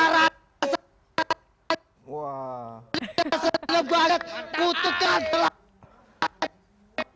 rasa rasanya banget putukan